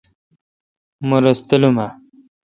مہ رس تلم اؘ۔